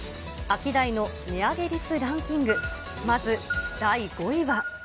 アキダイの値上げ率ランキング、まず第５位は。